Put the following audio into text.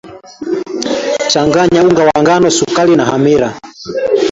changanya unga wa ngano sukari na hamira